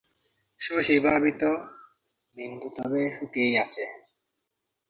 শশী ভাবিত, বিন্দু তবে সুখেই আছে!